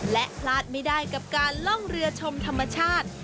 และพลาดไม่ได้กับการล่องเรือชมธรรมชาติ